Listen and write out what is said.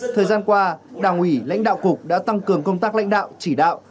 thời gian qua đảng ủy lãnh đạo cục đã tăng cường công tác lãnh đạo chỉ đạo